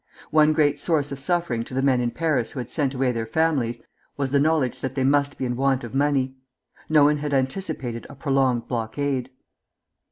One great source of suffering to the men in Paris who had sent away their families was the knowledge that they must be in want of money. No one had anticipated a prolonged blockade.